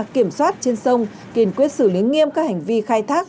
kiểm soát trên sông kiên quyết xử lý nghiêm các hành vi khai thác